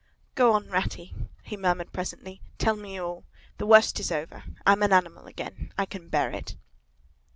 "Go on, Ratty," he murmured presently; "tell me all. The worst is over. I am an animal again. I can bear it."